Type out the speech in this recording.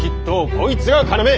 こいつが要。